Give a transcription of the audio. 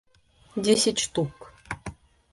десять штук